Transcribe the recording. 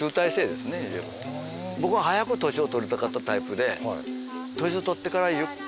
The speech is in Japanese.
僕は早く年を取りたかったタイプで。